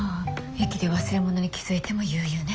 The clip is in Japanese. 駅で忘れ物に気付いても悠々ね。